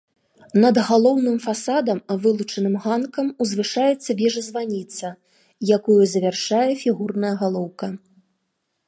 Над галоўным фасадам, вылучаным ганкам, узвышаецца вежа-званіца, якую завяршае фігурная галоўка.